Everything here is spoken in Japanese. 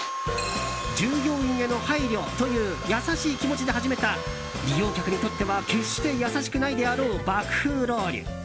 従業員への配慮という優しい気持ちで始めた利用客にとっては決して優しくないであろう爆風ロウリュ。